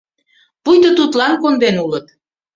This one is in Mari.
Пуйто тудлан конден улыт.